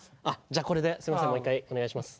じゃあこれですいませんもう一回お願いします。